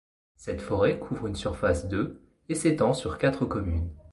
Cette forêt couvre une surface de et s'étend sur quatre communes.